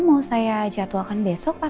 mau saya jadwalkan besok pak